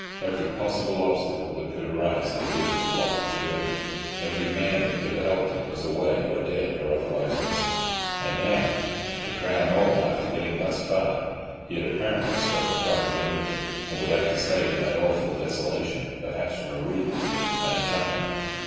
Every possible obstacle that could arise had arisen to block his journey; every man that could have helped him was away, or dead, or otherwise missing; and now, to crown all, after getting thus far, he had apparently struck a prize lunatic, and would have to stay in that awful desolation, perhaps for a week, with him and a Chinaman.